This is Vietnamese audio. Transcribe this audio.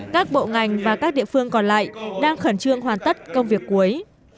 các bộ ngành và các địa phương còn lại đang khẩn trương hoàn tất công việc cuối